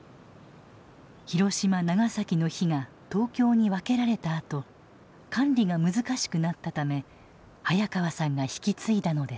広島長崎の火が東京に分けられたあと管理が難しくなったため早川さんが引き継いだのです。